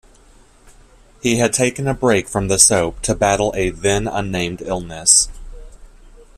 He had taken a break from the soap to battle a then unnamed illness.